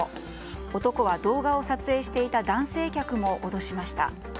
男は動画を撮影していた男性客も脅しました。